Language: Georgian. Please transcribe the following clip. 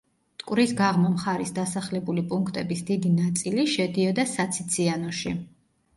მტკვრის გაღმა მხარის დასახლებული პუნქტების დიდი ნაწილი, შედიოდა საციციანოში.